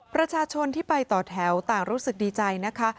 ประชาชนที่ไปต่อแถวต่างรู้สึกดีใจนะคะ